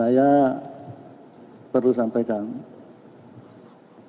saya perlu sampai ke sana